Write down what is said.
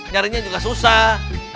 nyarinya juga susah